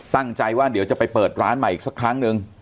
ตั้งใจว่าเดี๋ยวจะไปเปิดร้านใหม่อีกสักครั้งนึง